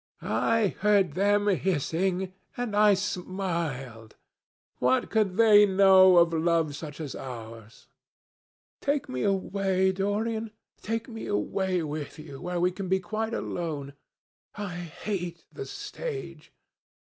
I heard them hissing, and I smiled. What could they know of love such as ours? Take me away, Dorian—take me away with you, where we can be quite alone. I hate the stage.